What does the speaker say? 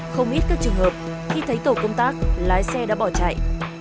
không ít các trường hợp khi thấy tổ công tác lái xe đã bỏ chạy